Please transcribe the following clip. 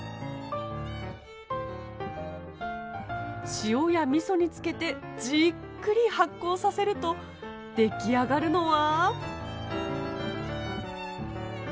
塩やみそに漬けてじっくり発酵させると出来上がるのは。